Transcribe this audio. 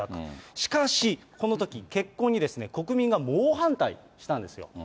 しかし、このとき結婚に国民が猛反対したんですよ。